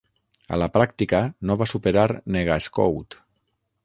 A la pràctica, no va superar NegaScout.